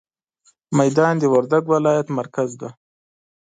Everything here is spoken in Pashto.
ميدان د وردګ ولايت مرکز دی.